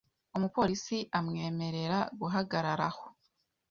Umupolisi amwemerera guhagarara aho .